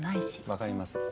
分かります。